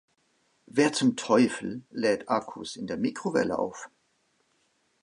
Wer zum Teufel lädt Akkus in der Mikrowelle auf?